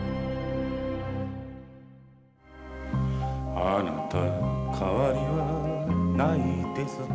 「あなた変わりはないですか」